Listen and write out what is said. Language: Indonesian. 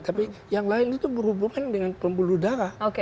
tapi yang lain itu berhubungan dengan pembuluh darah